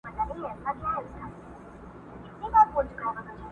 اوس به څوك تسليموي اصفهانونه!